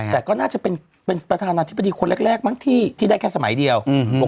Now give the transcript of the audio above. แต่ก็น่าจะเป็นประธานาธิบดีคนแรกมั้งที่ได้แค่สมัยเดียว